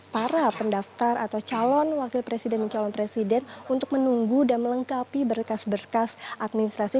para pendaftar atau calon wakil presiden dan calon presiden untuk menunggu dan melengkapi berkas berkas administrasi